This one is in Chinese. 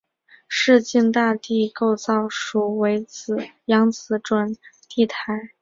市境大地构造属扬子准地台上扬子台褶带。